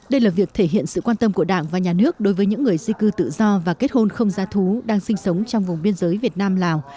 đây là việc thể hiện sự quan tâm của đảng và nhà nước đối với những người di cư tự do và kết hôn không giá thú đang sinh sống trong vùng biên giới việt nam lào